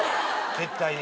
絶対に。